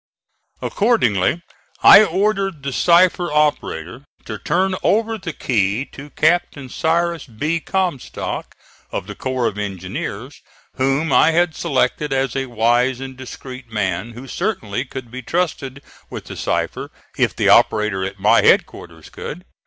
Accordingly I ordered the cipher operator to turn over the key to Captain Cyrus B. Comstock, of the Corps of Engineers, whom I had selected as a wise and discreet man who certainly could be trusted with the cipher if the operator at my headquarters could.